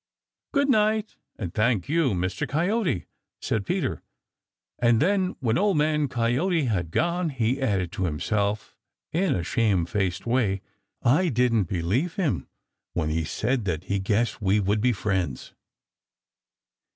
"Good night, and thank you, Mr. Coyote," said Peter, and then, when Old Man Coyote had gone, he added to himself in a shame faced way: "I didn't believe him when he said that he guessed we would be friends."